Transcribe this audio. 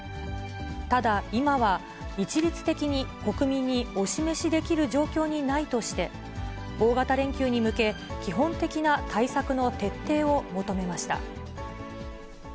ただ、今は一律的に国民にお示しできる状況にないとして、大型連休に向け、基本的な対策の徹底を求めました。